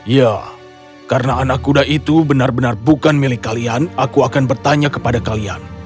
ya karena anak kuda itu benar benar bukan milik kalian aku akan bertanya kepada kalian